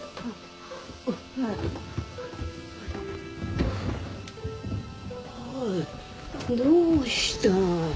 おいどうした？